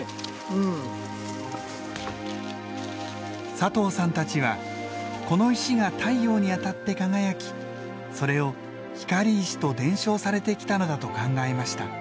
佐藤さんたちはこの石が太陽に当たって輝きそれを光石と伝承されてきたのだと考えました。